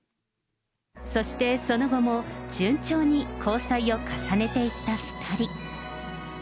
そして、その後も順調に交際を重ねていった２人。